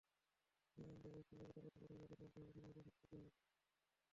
তাদের মধ্যে দেশপ্রেম জাগ্রত করতে প্রথমে তাদের জানাতে হবে স্বাধীনতার সঠিক ইতিহাস।